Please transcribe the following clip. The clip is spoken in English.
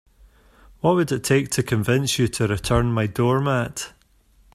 What would it take to convince you to return my doormat?